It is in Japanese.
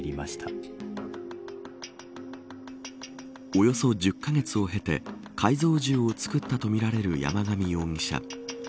およそ１０カ月を経て改造銃を作ったとみられる山上容疑者。